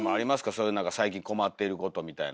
そういう何か最近困ってることみたいな。